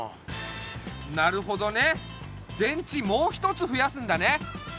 なるほどね電池もう一つふやすんだね！